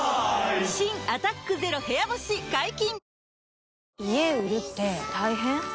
新「アタックＺＥＲＯ部屋干し」解禁‼